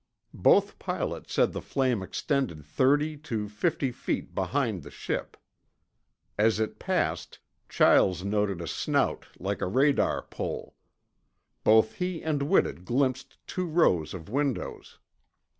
Both pilots said the flame extended thirty to fifty feet behind the ship. As it passed, Chiles noted a snout like a radar pole. Both he and Whitted glimpsed two rows of windows.